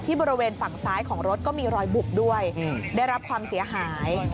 บริเวณฝั่งซ้ายของรถก็มีรอยบุบด้วยได้รับความเสียหาย